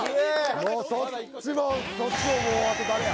もうそっちもそっちももうあと誰や？